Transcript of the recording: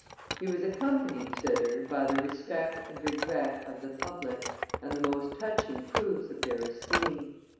He was accompanied thither by the respect and regret of the public, and the most touching proofs of their esteem.